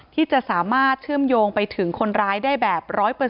ที่จะสามารถเชื่อมโยงไปถึงคนร้ายได้แบบ๑๐๐